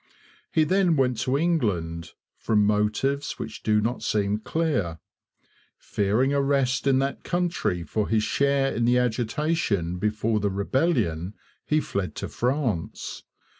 He then went to England, from motives which do not seem clear. Fearing arrest in that country for his share in the agitation before the rebellion, he fled to France.